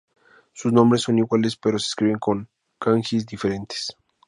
Sus nombres son iguales pero se escriben cons kanjis diferentes.